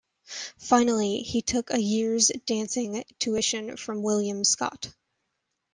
Finally he took a year's dancing tuition from William Scott.